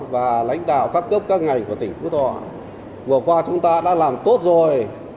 và lãnh đạo các cấp các ngành của tỉnh phú thọ vừa qua chúng ta đã làm tốt rồi